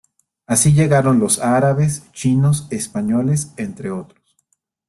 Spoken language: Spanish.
Así llegaron los árabes, chinos, españoles, entre otros.